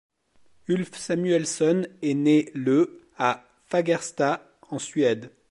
Ulf Samuelsson est né le à Fagersta en Suède.